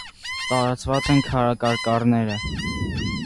Տարածված են քարակարկառները։